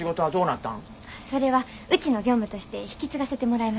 それはうちの業務として引き継がせてもらいました。